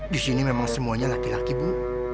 disini memang semuanya laki laki bu